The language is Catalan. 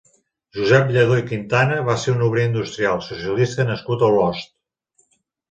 Josep Lladó i Quintana va ser un obrer industrial, socialista nascut a Olost.